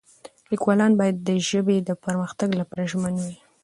لیکوالان باید د ژبې د پرمختګ لپاره ژمن وي.